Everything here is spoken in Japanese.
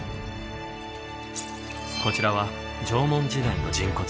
こちらは縄文時代の人骨。